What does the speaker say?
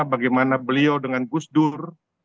bagaimana beliau dengan gus dur